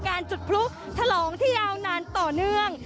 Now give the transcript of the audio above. จุดพลุฉลองที่ยาวนานต่อเนื่อง